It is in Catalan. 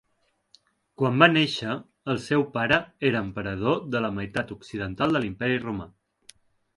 Quan va néixer el seu pare era emperador de la meitat occidental de l'Imperi Romà.